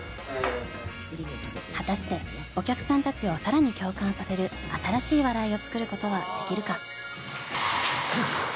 果たしてお客さんたちを更に共感させる新しい笑いを作ることはできるか？